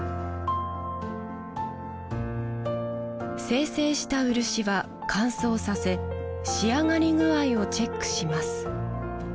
精製した漆は乾燥させ仕上がり具合をチェックします